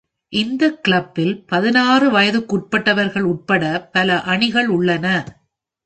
இந்த கிளப்பில் பதினாறு வயதுக்குட்பட்டவர்கள் உட்பட பல அணிகள் உள்ளன.